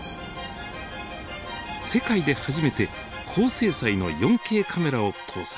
世界で初めて高精細の４Ｋカメラを搭載。